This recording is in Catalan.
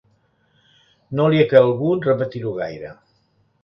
No li ha calgut repetir-ho gaire.